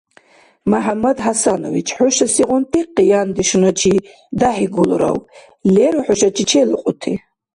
МяхӀяммад ХӀясанович, хӀуша сегъунти къияндешуначи дяхӀигулрав? Леру хӀушачи челукьути?